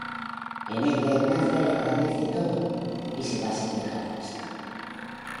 En ella Ignacia le agradece todo, y se va sin dejar rastro.